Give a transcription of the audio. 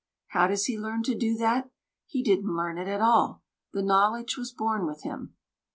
How does he learn to do that? He didn't learn it at all. The knowledge was born with him.